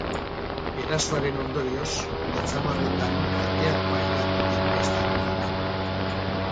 Erasoaren ondorioz, atzamarretan kalteak pairatu ditu estatuak.